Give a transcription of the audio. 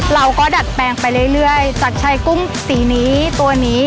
ดัดแปลงไปเรื่อยจากชายกุ้งสีนี้ตัวนี้